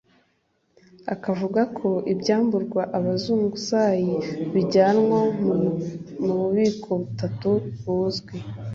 akavuga ko ibyamburwa abazunguzayi bijyanwa mu bubiko butatu buzwi